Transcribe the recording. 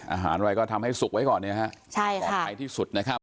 อาหารไว้ก็ทำให้สุกไว้ก่อนเนี่ยฮะใช่ค่ะปลอดภัยที่สุดนะครับ